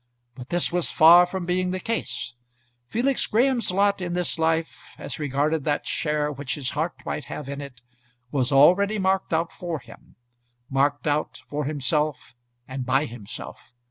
But this was far from being the case. Felix Graham's lot in this life, as regarded that share which his heart might have in it, was already marked out for him; marked out for himself and by himself.